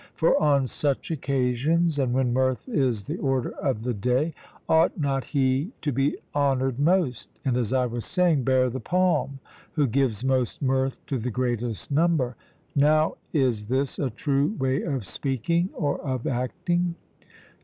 For on such occasions, and when mirth is the order of the day, ought not he to be honoured most, and, as I was saying, bear the palm, who gives most mirth to the greatest number? Now is this a true way of speaking or of acting?